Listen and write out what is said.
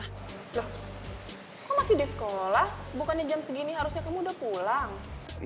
loh kamu masih di sekolah bukannya jam segini harusnya kamu udah pulang